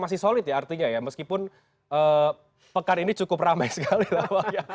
masih solid ya artinya ya meskipun pekan ini cukup ramai sekali bahwa ya